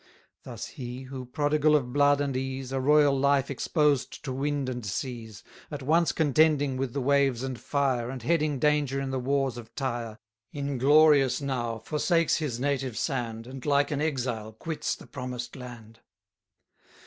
Thus he, who, prodigal of blood and ease, A royal life exposed to winds and seas, At once contending with the waves and fire, And heading danger in the wars of Tyre, Inglorious now forsakes his native sand, And like an exile quits the promised land!